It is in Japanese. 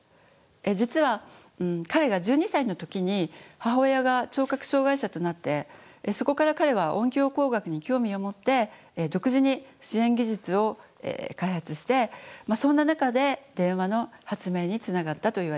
実は彼が１２歳の時に母親が聴覚障害者となってそこから彼は音響工学に興味を持って独自に支援技術を開発してそんな中で電話の発明につながったといわれています。